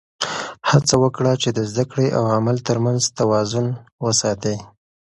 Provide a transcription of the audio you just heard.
هڅه وکړه چې د زده کړې او عمل تر منځ توازن وساته.